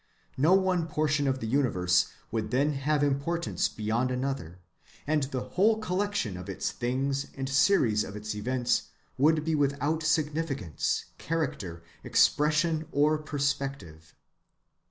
No one portion of the universe would then have importance beyond another; and the whole collection of its things and series of its events would be without significance, character, expression, or perspective.